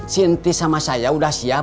sinti sama saya sudah siap